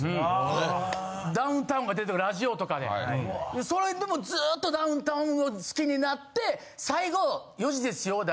えっ！ダウンタウンが出てるラジオとかでそれでもうずっとダウンタウンを好きになって最後。